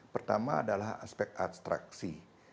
pertama adalah aspek abstraksi